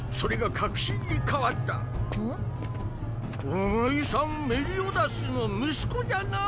お前さんメリオダスの息子じゃな？